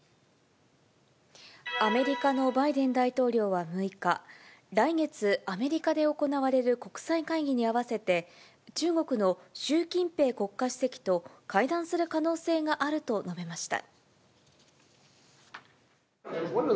アメリカのバイデン大統領は６日、来月、アメリカで行われる国際会議に合わせて、中国の習近平国家主席と会談する可能性があると述べました。